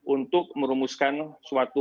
untuk merumuskan suatu